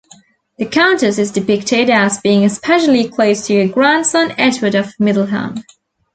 The Countess is depicted as being especially close to her grandson Edward of Middleham.